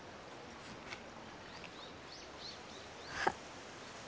あっ。